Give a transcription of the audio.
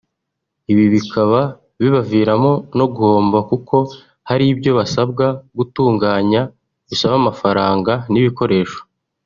ibi bikaba bibaviramo no guhomba kuko hari ibyo basabwa gutunganya bisaba amafaranga n’ibikoresho